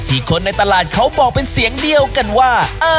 คนในตลาดเขาบอกเป็นเสียงเดียวกันว่า